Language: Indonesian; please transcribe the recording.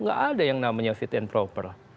nggak ada yang namanya fit and proper